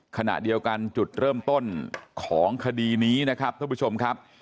ขณะเดียวกันจุดเริ่มต้นของคดีนี้นะครับท่านผู้ชมครับ